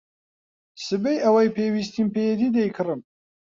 سبەی ئەوەی پێویستم پێیەتی دەیکڕم.